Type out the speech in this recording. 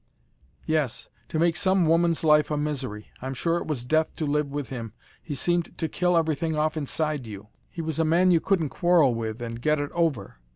"Yes, to make some woman's life a misery. I'm sure it was death to live with him, he seemed to kill everything off inside you. He was a man you couldn't quarrel with, and get it over.